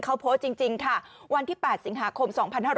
เขาโพสต์จริงค่ะวันที่๘สิงหาคม๒๕๖๐